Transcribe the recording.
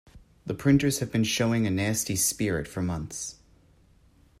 The printers have been showing a nasty spirit for months.